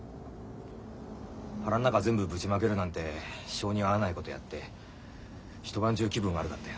腹の中全部ぶちまけるなんて性に合わないことやって一晩中気分悪かったよ。